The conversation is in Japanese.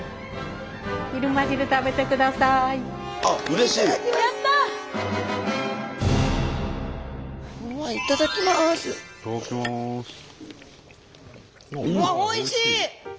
うわおいしい！